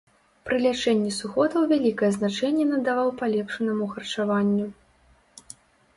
Пры лячэнні сухотаў вялікае значэнне надаваў палепшанаму харчаванню.